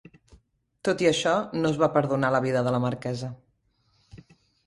Tot i això, no es va perdonar la vida de la marquesa.